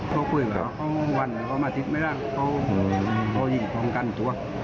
เขาคุยกับเขาวันหรือวันอาทิตย์ไม่ได้เขายิงทองกันตัว